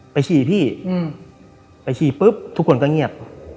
ฉี่พี่ไปฉี่ปุ๊บทุกคนก็เงียบ